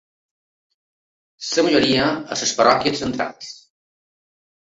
La majoria, a les parròquies centrals.